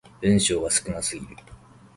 文章が少なすぎる